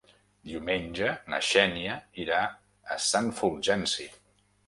Diumenge na Xènia irà a Sant Fulgenci.